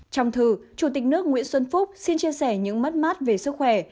trong thư chủ tịch nước nguyễn xuân phúc xin chia sẻ những mất mát về sức khỏe